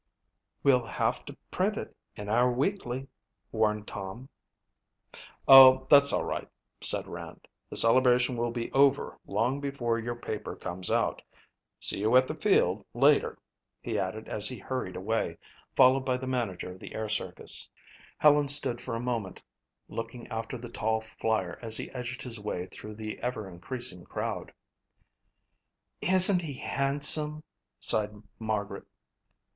"We'll have to print it in our weekly," warned Tom. "Oh, that's all right," said Rand. "The celebration will be over long before your paper comes out. See you at the field later," he added as he hurried away, followed by the manager of the air circus. Helen stood for a moment looking after the tall flyer as he edged his way through the ever increasing crowd. "Isn't he handsome?" sighed Margaret.